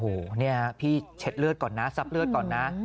โอ้โหเนี่ยพี่เช็ดเลือดก่อนนะซับเลือดก่อนนะ